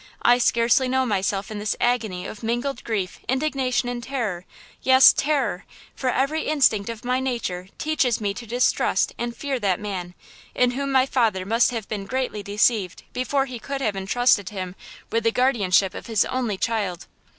I scarcely know myself in this agony of mingled grief, indignation and terror–yes, terror–for every instinct of my nature teaches me to distrust and fear that man, in whom my father must have been greatly deceived before he could have entrusted him with the guardianship of his only child."